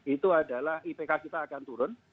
itu adalah ipk kita akan turun